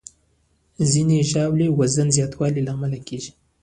ځینې ژاولې د وزن زیاتوالي لامل کېږي.